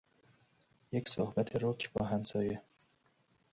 یک صحبت رک با همسایه